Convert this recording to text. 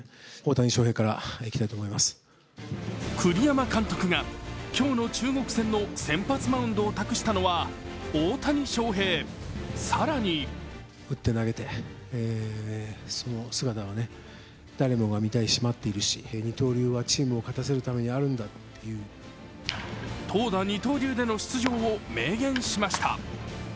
栗山監督が今日の中国戦の先発マウンドを託したのは大谷翔平、更に投打二刀流での出場を明言しました。